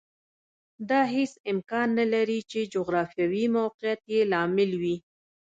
دا هېڅ امکان نه لري چې جغرافیوي موقعیت یې لامل وي